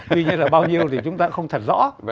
tuy nhiên là bao nhiêu thì chúng ta cũng không thật rõ